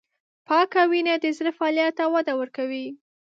پاکه وینه د زړه فعالیت ته وده ورکوي.